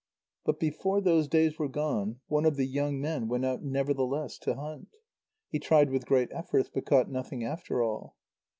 But before those days were gone, one of the young men went out nevertheless to hunt. He tried with great efforts, but caught nothing after all.